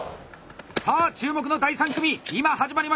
さあ注目の第３組今始まりました！